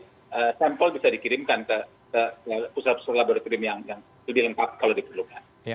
jadi sampel bisa dikirimkan ke pusat pusat laboratorium yang lebih lengkap kalau diperlukan